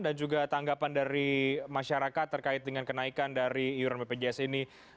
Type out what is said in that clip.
dan juga tanggapan dari masyarakat terkait dengan kenaikan dari iuran bpjs ini